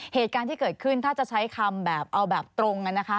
เหตุการณ์ที่เกิดขึ้นถ้าจะใช้คำแบบเอาแบบตรงกันนะคะ